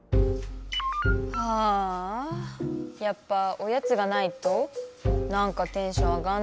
はぁやっぱおやつがないとなんかテンション上がんないよね。